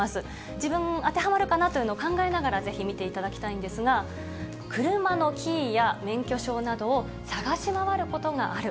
自分、当てはまるかなというのを考えながらぜひ見ていただきたいんですが、車のキーや免許証などを探し回ることがある。